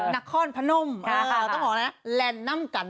นครพนมต้องบอกนะแลนด์นัมกัน